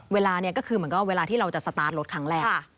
เวลานี้ก็คือเหมือนกับเวลาที่เราจะสตาร์ทรถครั้งแรก